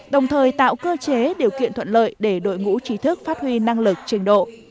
đồng thời tạo cơ chế điều kiện thuận lợi để đội ngũ trí thức phát huy năng lực trình độ